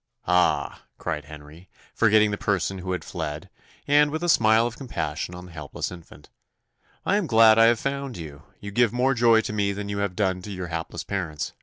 "Ah!" cried Henry, forgetting the person who had fled, and with a smile of compassion on the helpless infant, "I am glad I have found you you give more joy to me than you have done to your hapless parents.